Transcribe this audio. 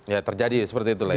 ya terjadi seperti itulah ya